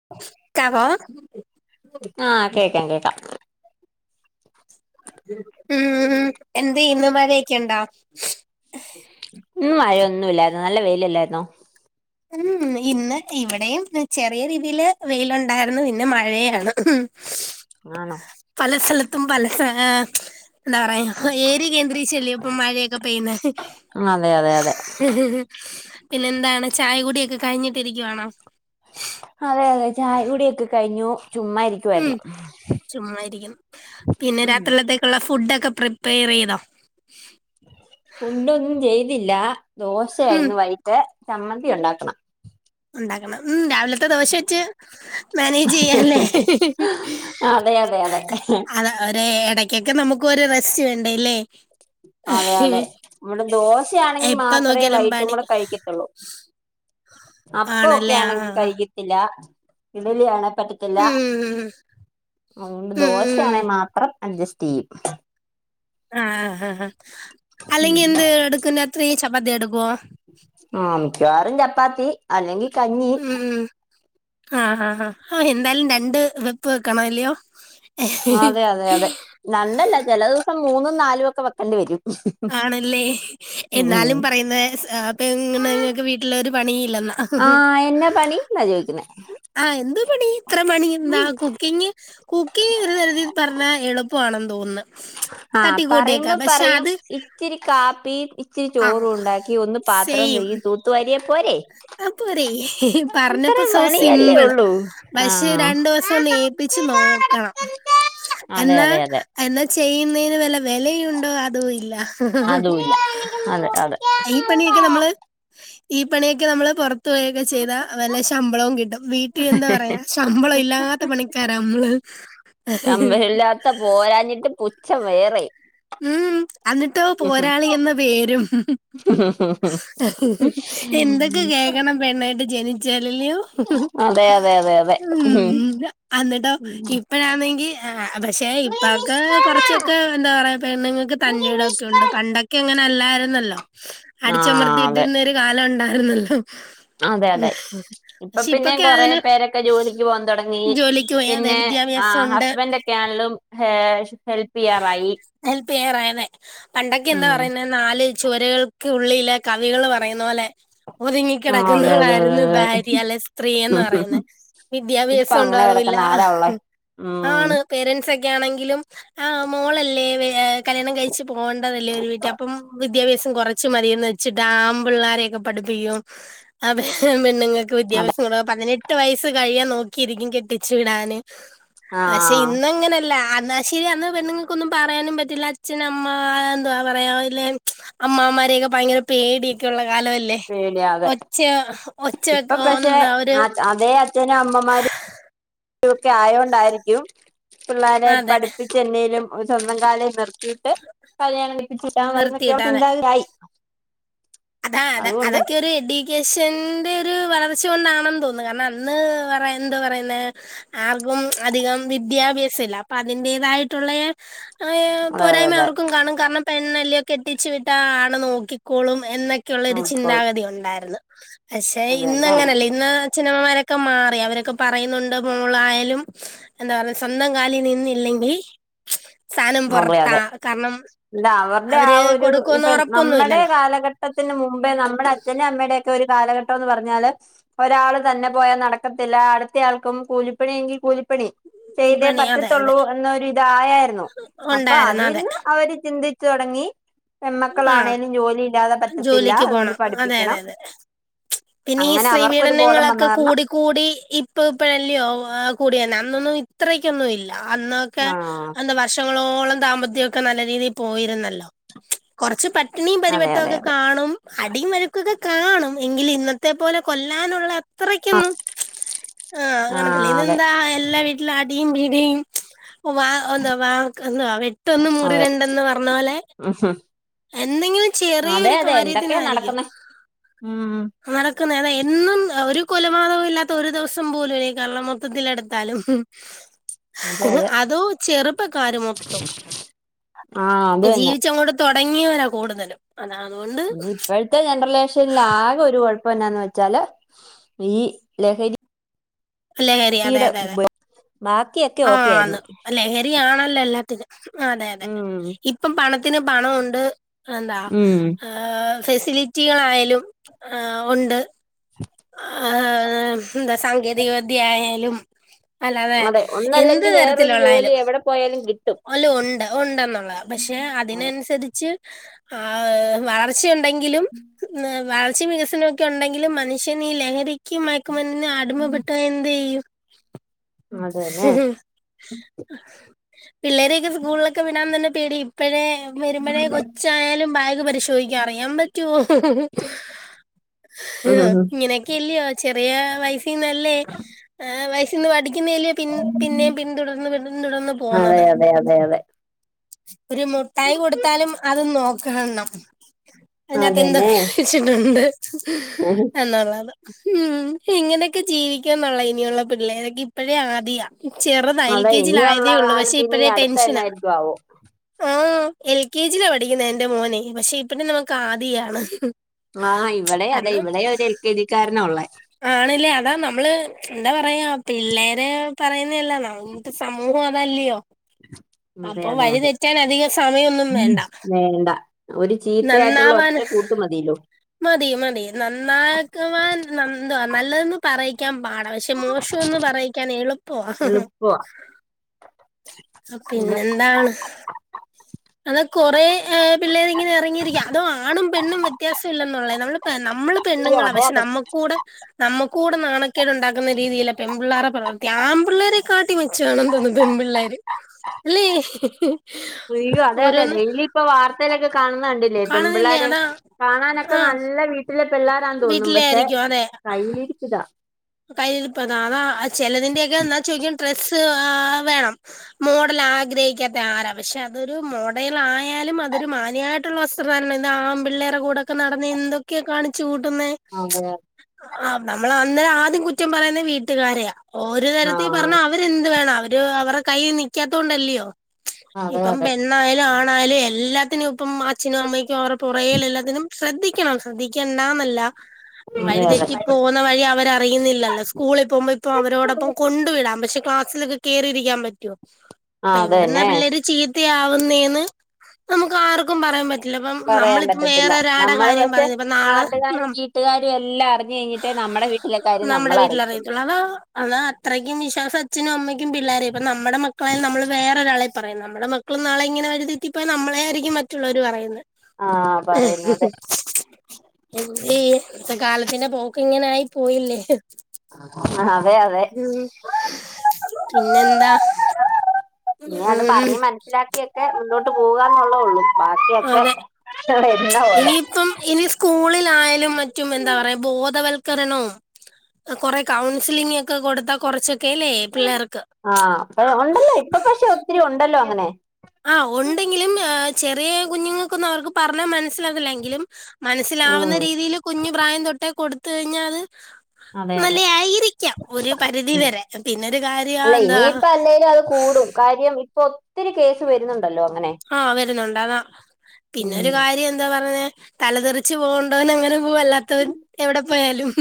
[unintelligible] ആഹ് കേക്കാം കേക്കാം ഉം ഉം എന്ത് ചെയ്യുന്നു മഴയൊക്കെ ഉണ്ടോ ഇന്നും മഴ ഒന്നുല്ല. നല്ല വെയിൽ അല്ലായിരുന്നോ ഉം ഇന്ന് ഇവിടെയും ചെറിയ രീതിയിൽ വെയിലുണ്ടായിരുന്നു ഇന്ന് മഴയാണ് ഉം [inaudible] ആണോ പല സ്ഥലത്തും പല സേ എന്താ പറയാ ഏരി കേന്ദ്രീ ചെലേപ്പോ മഴയൊക്കെ പെയ്യുന്നെ അതെ അതെ അതെ പിന്നെ എന്താണ് ചായകുടി ഒക്കെ കഴിഞ്ഞിട്ടിരിക്കുവാണോ അതെ അതെ ചായ കുടിയൊക്കെ കഴിഞ്ഞു ചുമ്മാ ഇരി ഉം ചുമായിരിക്കും പിന്നെ ഉം രാത്രിലത്തേക്കുള്ള ഫുഡൊക്കെ പ്രിപ്പയർയ്തോ ഫുണ്ടൊന്നും ചെയ്തില്ല ഉം ദോശയായിരുന്ന് വൈകിട്ട് ചമ്മന്തി ഉണ്ടാക്കണം. ഉണ്ടാക്കണം ഉം രാവിലെ തെ ദോശ വെച്ച് മാനേജ് ചെയ്യല്ലേ അതെ അതെ അതെ അതാ ഒരേ ഇടക്കൊക്കെ നമുക്ക് ഒര് റസ്റ്റ് വേണ്ടല്ലേ അതെ അതെ മ്മുടെ ദോശയാണെങ്കി എപ്പൊ മാത്രേ നോക്കിയാലും വൈകിട്ടും പണി മ്മള് കഴിക്കത്തൊള്ളൂ അപ്പം ഒക്കെ ആണല്ലേ ആ ആ ആണെങ്കിൽ ആ കഴിക്കത്തില്ല ഇഡ്ഡലി ആണ്. പറ്റത്തില്ല ഉം അതുകൊണ്ട് ഉം ഉം ദോശയാണെ മാത്രം അഡ്ജസ്റ്റ് ചെയ്യും. ആഹ് ഹ ഹാ അല്ലെങ്കി എന്ത് എടുക്കുന്ന അത്രയും ചപ്പാത്തി എടുക്കുവോ ആഹ് മിക്കവാറും ചപ്പാത്തി അല്ലെങ്കി കഞ്ഞി ഉം ആഹ് ആഹ് ആഹ് എന്തായാലും രണ്ട് വെപ്പ് വെക്കണം അല്ലയോ അതെ അതെ അതെ നല്ലല്ല ചിലെ ദിവസം മൂന്നും നാലും ഒക്കെ വെക്കേണ്ടി വരും. ആണല്ലേ ഉം എന്നാലും പറയുന്ന പ്പങ്ങനെങ്ങൾക്ക് വീട്ടിൽ ഒരു പണി ഇല്ലെന്നാ ആഹ് എന്നാ പണി എന്നാ ചോദിക്കുന്നേ ആഹ് എന്തു പണി ഇത്ര പണി ഇന്നാ കുക്കിങ്ങ് കുക്കിങ്ങ് ഒരു തരത്തിൽ പറഞ്ഞ എളുപ്പമാണെന്ന് തോന്നുന്നു. ആഹ് തട്ടിക്കൂട്ടിയൊക്കെ പറയുമ്പോ പക്ഷെ പറയും അത് ഇത്തിരി കാപ്പി ഇത്തിരി ആ ചോർ ഉണ്ടാക്കി ഒന്ന് പാത്രം സെയിം കഴുകി തൂത്തൂ വാരിയ പോരെ ആ പോരെ അത്ര പറഞ്ഞപ്പോ സോ പണിയല്ലേ സിമ്പിൾ ഉള്ളൂ ആ പക്ഷെ രണ്ട് ദിവസം ഒന്ന് ഏൽപ്പിച്ച് നോക്കണം. അതെ എന്നാ അതെ അതെ എന്നാ ചെയ്യുന്നതിന് വല്ല വിലയുണ്ടോ അതോ ഇല്ല അതൂല്ല അതെ അതെ ഈ പണിയൊക്കെ നമ്മൾ ഈ പണിയൊക്കെ നമ്മൾ പുറത്തു പോയൊക്കെ ചെയ്താ വല്ല ശമ്പളവും കിട്ടും. വീട്ടിൽ എന്താ പറയാ ശമ്പളം ഇല്ലാത്ത പണിക്കാർ മ്മൾ ത്ത പോരാഞ്ഞിട്ട് പുച്ചം വേറെയായി. ഉം എന്നിട്ടോ പോരാളി എന്ന പേരും എന്തൊക്കെ കേൾക്കണം പെണ്ണായിട്ട് ജനിച്ചാ അല്ലയോ അതെ അതെ അതെ അതെ ഉം അന്നിട്ടോ ഇപ്പഴാണെങ്കിൽ ആഹ് പക്ഷെ ഇപ്പാക്ക് കൊർച്ചൊക്കെ എന്താപറയാ പെണ്ണുങ്ങക്ക് തന്റെടൊക്കെഉണ്ട് പണ്ടൊക്കെ അങ്ങനെഅല്ലായിരുന്നല്ലോ. ആഹ് അതെ അടിച്ചമർത്തിഇട്ടിരുന്നേരു കാലഇണ്ടയിര്ന്നല്ലോ? അതെ, അതെ ഇപ്പപിന്നെ കൊറെ അതിന് പേരൊക്കെ ജോലിക്ക് പോആൻതുടങ്ങി. ജോലിക്ക് പോയി അതെ പിന്നെ വിദ്യാഭ്യാസം ആഹ് ഉണ്ട് ഹസ്ബെന്റൊക്കെണെലും ഹേ ഹെൽപ് ചെയ്യാറായി ഹെൽപെയ്യാറായെന്നേ പണ്ടൊക്കെ ഉം എന്താപറയുന്നേ നാല് ചുവരകൾക്ക് ഉള്ളിലെ കവികള് പറയുന്നപോലെ ആഹ് അതെ അതെ അതെ ഒതുങ്ങിക്കിടക്കുന്നവളായിരുന്നു അതെ ഭാര്യ അല്ലേസ്ത്രീയെന്ന് പറയുന്ന വിദ്യാഭ്യാ പ്പഅങ്ങനെ കെടക്കുന്നെ ആരാഉള്ളേ ഉം പേരന്റ്സൊക്കെ ആണെങ്കിലും ആഹ് മോളല്ലേ വെ കല്യാണംകയ് ച്ച് പോവേണ്ടതല്ലേ ഒര് വീട്ടിഅപ്പം വിദ്യാഭ്യാസംകൊർച്ച് മതിയെന്ന് വെച്ചിട്ട് ആൺ പിള്ളാരെയൊക്കെ പഠിപ്പിക്കും അതെപെണ്ണുങ്ങക് ക്ക് അതെ വിദ്യാഭ്യാസം കൊറ പതിനെട്ട് വയസ്സ് കഴിയാൻ നോക്കിയിരിക്കും കെട്ടിച്ചു വിടാന് പക്ഷെ ആഹ് ഇന്നങ്ങനെയല്ല അന്ന് ശരി അന്ന്പെണ്ണുങ്ങൾക്കൊന്നും പറയാനും പറ്റില്ല അച്ഛന്അമ്മ എന്തുവാ പറയാല്ലെ അമ്മാവന്മാരെയൊക്കെ ഭയങ്കരം പേടിയൊക്കെഉള്ള കാലല്ലേ പേടിയാ അതെ ഒച്ചഹ് ഒച്ചവെക്കൊ ന്താ ഒര് അതെ ച്ചനും അമ്മമാരും രുഒക്കെ ആയൊണ്ടായിരിക്കും പിള്ളാരെ അതെ പഠിപ്പിച്ച് എന്തേലുംസ്വന്തം കാലേ നിർ കിട്ട് കല്യാണം കഴിപ്പിച്ചിട്ടാമതിന്നൊക്കെ നിർത്തിയിട്ടാണ് ചിന്താഗതിയായി അതാ അത് അതുകൊണ്ട് അതൊക്കെ ഒരെടി ക്കേഷന്റെ ഒര് വളർച്ചകൊണ്ടാണെന്ന് തോന്നുന്നു കാരണംഅന്ന് പറയാഎന്തോ പറയുന്നേ ആർക്കും അധികം വിദ്യാഭ്യാസംഇല്ല അപ്പൊ അതിന്റേതായിട്ടുള്ളെ ഹയെ അതെ അതെ പോരായ്മ അതെ അവർക്കും കാണും കാരണം പെണ്ണെല്ലെയോ കെട്ടിച്ച് വിട്ടാ ആണ് നോക്കിക്കോളും എന്നൊക്കെയുള്ളൊരു നോക്കിക്കോളും ചിന്താഗതി ഉണ്ടായിരുന്നു. പക്ഷെ അത് തന്നെ ഇന്നങ്ങനല്ല ഇന്ന് അച്ഛനമ്മമാരൊക്കെമാറി അവരൊക്കെ പറയുന്നുണ്ട് മോളായാലും എന്താ പറയസ്വന്തംകാലി നിന്നില്ലെങ്കി അതെ, അതെ ഇതവരുടെ അവര് ആഒരു കൊടുക്കുമെന്ന് ഇപ്പൊ ഉറപ്പൊന്നും ഇല്ലല്ലോ നമ്മടെകാലഘട് ഘട്ടത്തിന് മുമ്പേ നമ്മടെ അച്ഛന്റെ അമ്മെടെക്കെ ഒര്കാലഘട്ടോന്ന് പറഞ്ഞാല് ഒരാള്തന്നെ പോയാനടക്കത്തില്ല അടുത്തയാൾക്കും കൂലിപ്പണിയെങ്കി കൂലിപ്പണി വിപണി അതെ അതെ ചെയ്തേപറ്റെത്തുള്ളൂ എന്നൊരു ഇതായാരുന്നു. അപ്പൊ ഉണ്ടായിരുന്നു അതെ അതിന്ന് അവര്ചിന്തിച്ചു തൊടങ്ങി പെമ്മക്കളാണേലും ജോലി ഇല്ലാതെപറ്റ് ജോലിക്ക്പോണം അതെ, അതെ അതെ പിന്നീ അങ്ങനെ അവർക്കൊരു ബോധം വന്ന കാരണം സ്ത്രീപീഡനങ്ങളൊക്കെകൂടി കൂടി ഇപ്പഇപ്പഴല്ലയോ കൂടെയെന്നേ അന്നൊന്നും ഇത്രക്കൊന്നുല്ല അന്ന് ക്കെ ആഹ് എന്ത വർഷങ്ങളോളം ദാമ്പത്യൊക്കെ നല്ലേരീതിൽ പോയിരുന്നല്ലോ കൊർച്ച് പട്ടിണീം പരിപട് അതെ അതെ അതെ ക്കാണും അടീം വഴക്കൊക്കെകാണും എങ്കില് ഇന്നെത്തെപോലെ കൊല്ലാനുള്ള അത്രേക്കൊന്നും ആഹ് കാണത്തില്ല ഇ ന്നെന്താ എല്ലാവീട്ടിലും അടിംപിടിം വാ ന്ത വാ എന്ത വെട് ട്ടൊന്ന് മുറിരണ്ടന്ന് പറഞ്ഞപോലെ ആഹ എന്തെങ്കിലും ചെറിയൊരു എന്തൊക്കെയാ കാര്യത്തിനായിരിക്കും നടക്കുന്നെ ഉം നടക്കുന്നേ ഏതാഎന്നുംഎഒര് കൊലപാതകോല്ലാത്ത ഒര്ദിവസം പോലുല ഈ കേരളം മൊത്തത്തിലെടുത്താലും അതെ അതെ [inaudible] അതോ ചെറുപ്പക്കാര് മൊത്തം ആഹ് അത് തന്നെ ജീവിച്ചങ്ങോട്ട് തൊടങ്ങിയവരാ കൂടുതലും അതാ അതോണ്ട് ഇപ്പോഴത്തെ ജനറേഷനിൽ ആകെ ഒര് കുഴപ്പംയെന്താന്ന് വെച്ചാല് ഈലഹരി ലെഹരി അതെ അതെ അതെ ബാക്കിയൊക്കെ ഓക്കൊയാരുന്നു ദിയാണല്ലോ എല്ലാത്തിനും അതെ അതെ ഉം ഇപ്പൊ പണത്തിന് പണമുണ്ട് എന്താ ഉം ഫെസിലിറ്റികളായാലും ആഹ് ഒണ്ട് ആഹ് ന്താ സാങ്കേ തിക വിദ്യ ആയാലും അല്ലാതെ അതെ എന്ത് ഒന്നല്ലെങ്കിൽ വേറൊരു ജോലി തരത്തിലുള്ളയാലും എവിടെ പോയാലും കിട്ടും അല്ല ഉണ്ട് ഉണ്ടെന്നുള്ളതാ പക്ഷെ അതിനനുസരിച്ച് ആഹ് വളർച്ചയുണ്ട് ണ്ടെങ്കിലും വളർച്ചേം വികസനമൊക്കെ ഇണ്ടെങ്കിലും മനുഷ്യനി ലഹരി ക്കും മയക്കു മരുന്നിനും അടിമപ്പെട്ടാ എന്തു ചെയ്യും അതന്നെ പിള്ളേരെയൊക്കെ സ്കൂളിലൊക്കെ വിടാൻ തന്നെ പേടി ഇപ്പഴേ വെരുമ്പഴേ കൊച്ചായാലും ബാഗ് പരിശോധിക്കും അറിയാൻ പറ്റുവോ ആഹ് ഉം ഇങ്ങനെ ക്കല്ലയോ ചെറിയ വയസിന്നല്ലേ വയസിന്ന് പഠിക്കുന്നല്ലിയോ പിൻ പിന്നെയും പിന്തുടർന്ന് പിന്തുടർന്ന് അതെ പോന്നത് അതെ അതെ അതെ ഒരു മുട്ടായി കൊടുത്താലും അത് നോക്കണം അതിനാത്ത് അതന്നെ എന്തൊക്കെയാ ച്ചിട്ടുണ്ട് എന്നുള്ളത് ഉം ഇങ്ങനെയൊക്കെ ജീവിക്കാ എന്നുള്ള ഇനിയുള്ള പിള്ളേരൊക്കെ ഇപ്പഴേ ആദിയാ ചെറുതാ എൽ അതെ കെ ജിൽ ഇനിയുള്ള ആയതേ ഉള്ളൂ പക്ഷെ കാലത്ത് ഇനി ഇപ്പഴേ അടുത്ത ടെൻഷനാ എന്നായിരിക്കും ആവോ ആഹ് എൽ കെ ജിയിലാ പഠിക്കുന്നെ എൻ്റെ മോനെ പക്ഷെ ഇപ്പഴും നമുക്ക് ആദിയാണ് ആഹ് ഇവിടെ അതെ കാരണം ഇവിടെ ഒരു എൽ കെ ജി ക്കാരനാ ഒള്ളെ ആണല്ലേ അതാ നമ്മള് എന്താ പറയാ പിള്ളേര് പറയുന്നല്ലാ ന ഇന്നത്തെ സമൂഹം അതല്ലയോ അതെ അപ്പൊ അതെ അതെ വഴിതെറ്റാൻ അധികം സമയമൊന്നും ഉം. വേണ്ട വേണ്ട ഒരു ചീത്തയായിട്ടുള്ള നന്നാവാൻ ഒറ്റ കൂട്ടുമതില്ലോ മതി മതി നന്നാക്കവാൻ നവാ നല്ലതെന്ന് പറയിക്കാൻ പാടാ പശേ പക്ഷെ മോശംന്ന് പറയിക്കാൻ എളുപ്പവാ എളുപ്പവാ പിന്നെ പിന്നെന്താണ് അതാ കൊറെ ഏഹ് പിള്ളേരിങ്ങനെ ങ്ങിരിക്കാ അതോ ആണും പെണ്ണും വ്യത്യാസം ഇല്ലന്നൊള്ളയാ നമ്മള് അയ്യോ പെണ്ണുങ്ങളാ അതെ പക്ഷെ അതെ നമ്മ നമുക്കൂടെ നാണക്കേട് ഉണ്ടാക്കുന്ന രീതിയിലാ പെണ പിള്ളാർട പ്രവർത്തി ആൺ പിള്ളേര് കാട്ടി മെച്ചവാണെന്ന് തോന്നുന്നു പെമ്പിള്ളേര് അല്ലേ അയ്യോ അതെ അതെ ഓരോന്ന് ഡെയിലി ഇപ്പൊ വാർത്തയിലൊക്കെ കാണുന്നണ്ടി ല്ലേ പെൺ കാണുന്നില്ലേ പിള്ളാര് അതാ കാണാനൊക്കെ ആഹ് നല്ല വീട്ടിലെ പിള്ളാ രാന്ന് തോന്നും വീട്ടിലെ പക്ഷെ ആയിരിക്കും അതെ കൈയിലിരിപ്പിതാ കയ്യിലിപ്പതാ ചെിലതിന്റെക്കെ എന്നാ ചോയിക്കും ഡ്രസ്സ് വേണം മോഡൽ ആഗ്രഹിക്കാത്ത ആരാ പക്ഷെ അതൊരു മോഡേലായാലും അതൊരു മാന്യട് ള്ള വസ്ത്രധാരണ ആമ്പിള്ളേറെ കൂടെക്കെ നടന്ന് എന്തൊക്കെയാ കാണിച്ചു കൂട്ടുന്നെ അതെ ആഹ് നമ്മള് അന്നേരം ആദ്യം കുറ്റം പറയുന്ന വീട്ടുകാരെയാ ഒര് തരത്തി പറഞ്ഞ ആഹ് അവര്ന്ത് വേണം അവര് അവർടെ കയ്യീ നിക്കാത്ത കൊണ്ടല്ലിയോ അതെ ഇപ്പ അതെ പെ ണ്ണായാലും ആണായാലും എല്ലാത്തിനും ഇപ്പം അച്ഛനും അമ്മയ്ക്കും അവർട പുറകേ എല്ലാത്തിനും ശ്രദ്ധിക്കണം ശ്രദ്ധിക് ണ്ടന്നല്ല അതെ അതെ വഴിതെറ്റി പോന്ന വഴി അവര റിയുന്നില്ലല്ല സ്കൂളിൽ പോകുമ്പോ ഇപ്പൊ അവരോടൊപ്പം കൊണ്ടു വിടാം പക്ഷെ ക്ലാസിലൊക്കെ കേറിയിരിക്കാൻ പറ്റുമോ അപ്പ ആഹ് ഇവിടുന്നാ അതന്നെ പിള്ളേര് ചീത്തയാവുന്നേന്ന് നമുക്ക് ആർക്കും പറയാൻ പറ്റും ചെലപ്പം പറയാൻ നമ്മളിപ്പം പറ്റത്തില്ല വേറൊരാടെ നമ്മള് കാര്യം പക്ഷെ പറയ നാട്ടുകാരും വീട്ടുകാരും എല്ലാം അറിഞ്ഞു കഴിഞ്ഞിട്ടേ നമ്മുടെ വീട്ടിലെ കാര്യം നമ്മള അറിയത്തുള്ളൂ അതോ അതാ അത്രയ്ക്കും വിശ്വാസം അച്ഛനും അമ്മക്കും പിള്ളോരെയും ഇപ്പ നമ്മുടെ മക്കളെയും നമ്മള് വേറൊരാളെ പറയും നമ്മുടെ മക്കളും നാളെ ഇങ്ങനെ വഴി തെറ്റപ്പോയ നമ്മളെ ആരിക്കും മറ്റുള്ളവര് പറയുന്നെ ആഹ് പറയുന്നത് എന്തുചെയ്യും കാലത്തിന്റെ പോക്ക് ഇങ്ങനെ ആയി പോയില്ലേ ആ അതെ അതെ ഉ പിന്നെന്താ പിന്നെ അത് ഉം പറഞ്ഞ് മനസ്സിലാക്കിയൊക്കെ മുന്നോട്ട് പോകുകന്നേയുള്ളൂ ബാക്കിയൊക്കെ ഇവിടെ വരുന്ന പോലെ ഇപ്പം ഇനി സ്കൂളിലായാലും മറ്റും എന്താ പറയാ ബോധവൽക്കരണം കൊറെ കൗൺസിലിങ്ങ ക്കെ കൊടുത്തൽ കൊറച്ചൊക്കെല്ലേ പിള്ളേർക്ക് ആഹ് അപ്പൊ ഉണ്ടല്ലോ ഇപ്പൊ പക്ഷെ ഒത്തിരി ഉണ്ടല്ലോ അങ്ങനെ ആ ഉണ്ടെങ്കിലും ചെറിയ കുഞ്ഞുങ്ങൾക്കൊന്ന് അവർക്ക് പറഞ്ഞ മന സ്സിലവില്ലെങ്കിലും മനസ്സിലാവുന്ന ഉം രീതിൽ കുഞ്ഞു പ്രായം തൊട്ടേ കൊടുത്ത് കഴിഞ്ഞാൽ അത് അതെ അതെ നല്ലെ ആയിരിക്കാം ഒരു ഉം പരിധിവരെ പിന്നൊരു കാര്യ അല്ല എന്താ ഇനിയിപ്പ അല്ലേലും അത് കൂടും കാര്യം ഇപ്പൊ ഒത്തിരി കേസ് വരുന്നുണ്ടല്ലോ അങ്ങനെ ആഹ് വരുന്നുണ്ട് അതാ ഉം പിന്നൊരുകാര്യം എന്താ പറഞ്ഞേ തലതെറിച്ച് പോവണ്ടോനങ്ങനെ പോവല്ല ത്തോൻ എവിടെ പോയാലും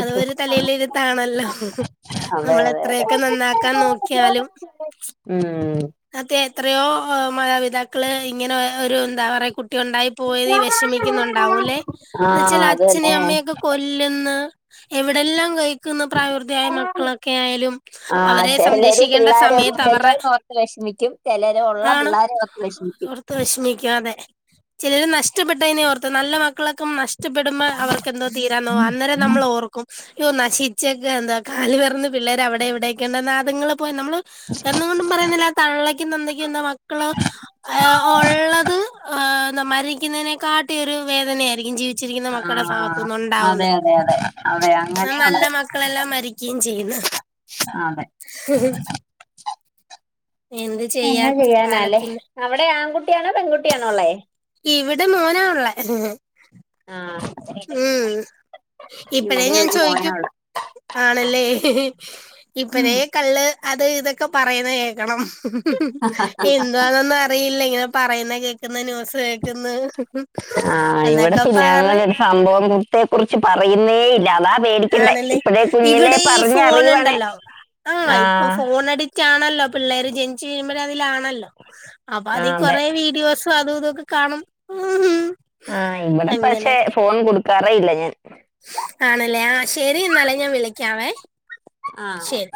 അത് ഒരു തലയിലെയ്ത്താണല്ലോ അതെ നമ്മൾ അതെ അതെ എത്രയൊക്കെ നന്നാക്കാൻ നോക്കിയാലും ഉം അതെ എത്രയോ മാതാപിതാക്കള് ഇങ്ങനെ ഒരു എന്താ പറയാ കുട്ടിയുണ്ടായി പോയതി വിഷമിക്കുന്നുണ്ടാവുല്ലേ ആഹ് എന്നെച്ചാൽ അത് അച്ഛനേ തന്നെ അമ്മയൊക്കെ കൊ ല്ലുന്ന എവിടെല്ലാം കയ് ക്കുന്ന പ്രായപൂർത്തിയായ മക്കളൊക്കെ ആയാലും ആ അവരെ സംരക്ഷിക്കേണ്ട സമയത്ത് അവറെ വെഷ്മിക്കും ചിലര് ഉള്ള പിള്ളേരെ ഓർത്ത് വിഷമിക്കും ക്കെ വെശ്മിക്കും അതെ ചിലർ നഷ്ടപ്പെട്ടതിനെ ഓർത്ത് നല്ല മക്കളൊക്കെ നഷ് ഷ്ടപ്പെടുമ്പോ അവർക്കെന്തോ തീരാനോവാ അന്നരം നമ്മളോർ ക്കും യ്യൊ നശിച്ചൊക്കെ എന്താ കാല് പറന്ന് പിള്ളേരെ അവിടെ ഇവിടെയൊക്കെ ഉണ്ട അത്ങ്ങെളെപോ നമ്മള് എന്നുകൊണ്ടും പറയുന്നില്ല തള്ളക്കും തന്തക്കും എന്താ മക്കള് അയാ ഉള്ളത് മരിക്കുന്നതിനെകാട്ടും ഒരു വേദനയായിരിക്കും ജീവി ച്ചിരിക്കുന്ന ആ മക്കളുടെ സ്ഥാനത്ത്ന്ന് ഉണ്ടാവുന്ന അതെ അതെ അതെ അതെ ന്ന നല്ല അങ്ങനെയുണ്ട് മക്കളെല്ലാം മരിക്കേംചെയ്യ്ന്ന് അതെ ഹ് ഹ് എന്ത് ചെയ്യാ എന്നാ ചെയ്യാനാല്ലേ കാലത്തിന് അവിടെ ആൺകുട്ടിയാണോ പെൺകുട്ടിയാണോ ഉള്ളേ ഇവിടെ മോനാ ഉള്ളെ ആഹ് ഉം ഇപ്പഴേ ഞാൻ ഒരു മോനാ ചോയിക്കും ഉള്ളെ ആണല്ലേ ഇപ്പഴേ കള്ള് അത് ഇതൊക്കെ പറയുന്നകേക്കണം എന്താന്നൊന്നർ അറിയില്ല ഇങ്ങനെ പറയുന്ന കേക്ക്‌ന്ന് ന്യൂസ്കേക്ന്ന് ആഹ് ഇവിടെ പിന്നങ്ങനൊരു സംഭവത്തെ കുറിച്ച് പറയുന്നേ ഇല്ല അതാ പേടിക്കണ്ടേ ആണല്ലേ ഇപ്പഴേ കുഞ്ഞിലെ ഇവിടെ ഈ പറഞ്ഞ് അറിയുവാണേ ഫോണുണ്ടല്ലോ ആ ഇപ്പൊ ഫോണടി റ്റാണല്ലോ പിള്ളേര് ജനിച്ചു വീഴുമ്പയേ അതിലാണല്ലോ അപ്പൊ ആ അത് അതെ കൊറേവീഡിയോസ് സ അതുതൊക്കെ കാണും ആഹ് ഇവടെ പക്ഷെ അങ്ങനെയൊക്കെ ഫോൺ കൊടുക്കാറേ ഇല്ല ഞാൻ ആണല്ലേ ആ ശരി എന്നാല് ഞാൻ വിളിക്കാവേ ആഹ് ശരി